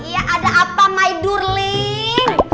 iya ada apa my durling